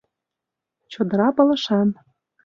— Чодыра пылышан...